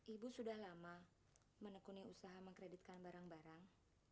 ibu sudah lama menekuni usaha mengkreditkan barang barang